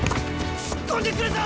突っ込んでくるぞ！